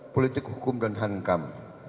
politik hukum dan hankam